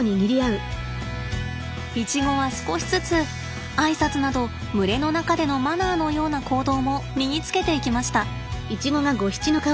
イチゴは少しずつあいさつなど群れの中でのマナーのような行動も身につけていきました。